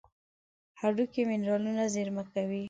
هډوکي منرالونه زیرمه کوي.